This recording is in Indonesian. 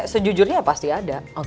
sejujurnya pasti ada